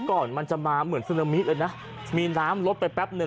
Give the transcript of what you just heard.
ก่อนจะมาเหมือนเซโนมิตแบบนั้นนะมีน้ำลดไปแป๊บนือย